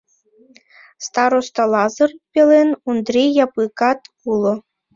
Староста Лазыр пелен Ондри Япыкат уло.